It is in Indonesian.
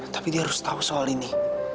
tapi dia harus tahu soal ini